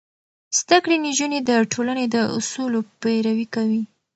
زده کړې نجونې د ټولنې د اصولو پيروي کوي.